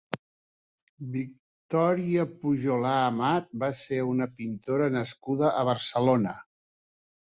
Victòria Pujolar Amat va ser una pintora nascuda a Barcelona.